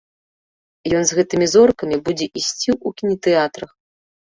Ён з гэтымі зоркамі будзе ісці ў кінатэатрах.